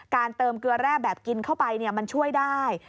เติมเกลือแร่แบบกินเข้าไปมันช่วยได้